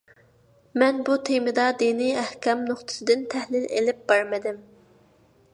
مەن بۇ تېمىدا دىنىي ئەھكام نۇقتىسىدىن تەھلىل ئېلىپ بارمىدىم.